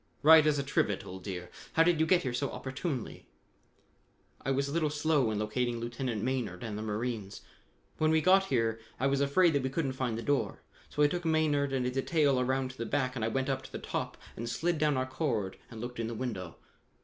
"Right as a trivet, old dear. How did you get here so opportunely?" "I was a little slow in locating Lieutenant Maynard and the marines. When we got here I was afraid that we couldn't find the door, so I took Maynard and a detail around to the back and I went up to the top and slid down our cord and looked in the window.